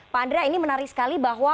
pak andrea ini menarik sekali bahwa